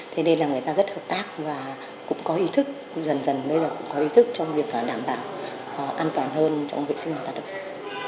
thế nên là người ta rất hợp tác và cũng có ý thức dần dần bây giờ cũng có ý thức trong việc đảm bảo an toàn hơn trong vệ sinh an toàn thực phẩm